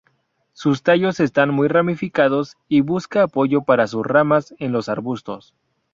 Sus tallos están muy ramificados, y buscan apoyo para sus ramas en los arbustos.